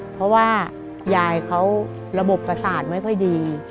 เพราะว่ายายเขาระบบประสาทไม่ค่อยดี